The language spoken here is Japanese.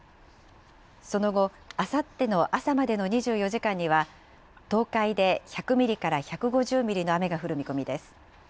その後、あさっての朝までの２４時間には、東海で１００ミリから１５０ミリの雨が降る見込みです。